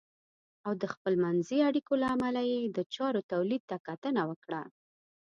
او د خپلمنځي اړیکو له امله یې د چارو تولید ته کتنه وکړه .